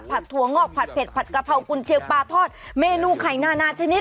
ถั่วงอกผัดเผ็ดผัดกะเพรากุญเชียงปลาทอดเมนูไข่นานาชนิด